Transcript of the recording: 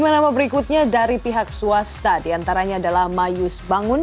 lima nama berikutnya dari pihak swasta diantaranya adalah mayus bangun